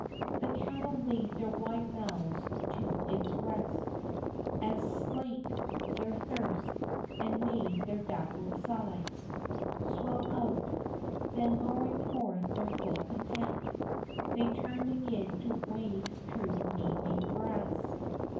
The cattle laid their wide mouths to its breast And slaked their thirst, and made their dappled sides Swell out; then lowing forth their full content They turned again to wade through knee deep grass.